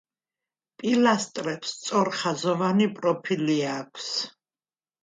პილასტრებს სწორხაზოვანი პროფილი აქვს.